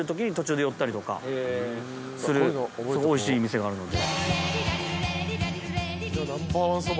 すごいおいしい店があるので。